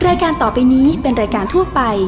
รายการต่อไปนี้เป็นรายการทั่วไป